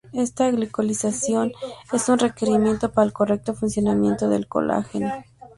Esta glicosilación es un requerimiento para el correcto funcionamiento del colágeno.